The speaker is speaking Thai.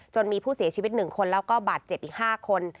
มีผู้เสียชีวิต๑คนแล้วก็บาดเจ็บอีก๕คน